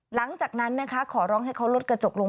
หลังจากนั้นนะคะขอร้องให้เขาลดกระจกลง